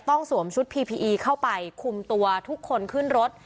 สวมชุดพีพีอีเข้าไปคุมตัวทุกคนขึ้นรถ